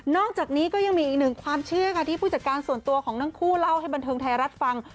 อกจากนี้ก็ยังมีอีกหนึ่งความเชื่อค่ะที่ผู้จัดการส่วนตัวของทั้งคู่เล่าให้บันเทิงไทยรัฐฟัง